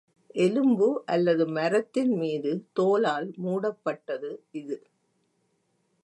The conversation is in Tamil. எலும்பு அல்லது மரத்தின் மீது தோலால் மூடப் பட்டது இது.